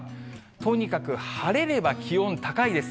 とにかく晴れれば気温高いです。